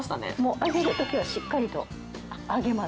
あげる時はしっかりとあげます。